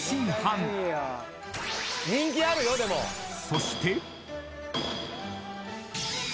［そして］